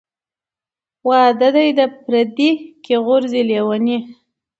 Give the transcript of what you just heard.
ـ واده دى د پرديي کې غورځي لېوني .